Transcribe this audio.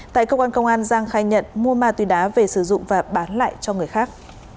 tại cơ quan công an giang khai nhận mua ma túy đá về sử dụng và bán lại cho người khác